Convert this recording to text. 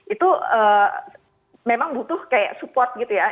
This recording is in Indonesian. itu memang butuh kayak support gitu ya